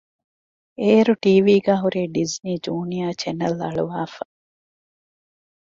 އޭރު ޓީވީގައި ހުރީ ޑިޒްނީ ޖޫނިއަރ ޗެނެލް އަޅުވައިފަ